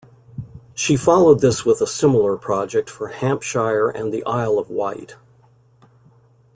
She followed this with a similar project for Hampshire and the Isle of Wight.